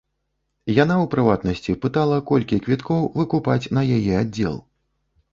Яна, у прыватнасці, пытала, колькі квіткоў выкупаць на яе аддзел.